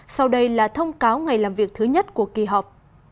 sau đây là thông cáo ngày làm việc thứ nhất của kỳ họp